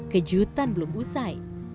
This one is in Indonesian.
kejutan belum usai